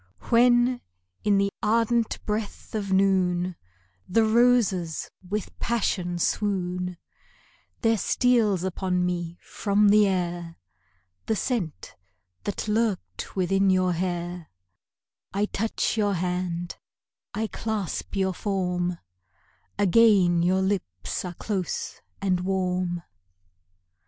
When, in the ardent breath of noon, The roses with passion swoon; There steals upon me from the air The scent that lurked within your hair; I touch your hand, I clasp your form Again your lips are close and warm.